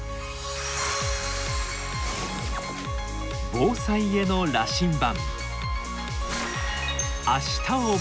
防災への羅針盤